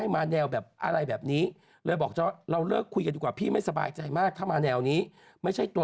นางคิดแบบว่าไม่ไหวแล้วไปกด